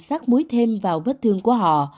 để giúp bác mối thêm vào vết thương của họ